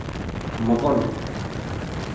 Mḍel.